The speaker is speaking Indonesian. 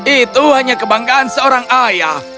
itu hanya kebanggaan seorang ayah